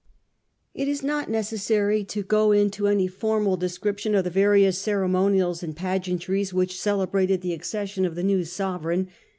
It is not necessary to go into any formal descrip tion of the various ceremonials and pageantries which celebrated the accession of the new sovereign.